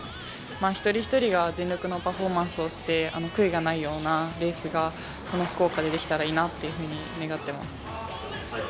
一人ひとりが全力のパフォーマンスして悔いがないようなレースがこの福岡でできたらいいなと願っています。